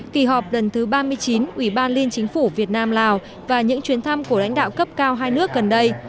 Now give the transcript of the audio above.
kỳ họp lần thứ ba mươi chín ủy ban liên chính phủ việt nam lào và những chuyến thăm của lãnh đạo cấp cao hai nước gần đây